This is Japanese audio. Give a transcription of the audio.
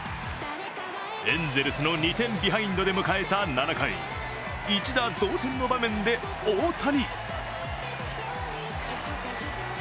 エンゼルスの２点ビハインドで迎えた７回、一打同点の場面で大谷。